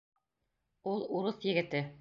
Ул — урыҫ егете.